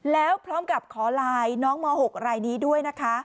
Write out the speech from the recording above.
แล้วพร้อมกับขอไลน์น้องม๖รายนี้ด้วยนะคะ